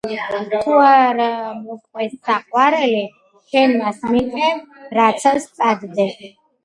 თუ არ მოგყვეს საყვარელი, შენ მას მიჰყევ, რაცა სწადდეს